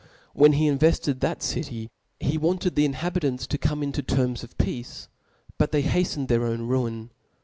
When he invefted that city, he wanted the inhabitants to come into tcnns of peace \ but they haftened their own ruin.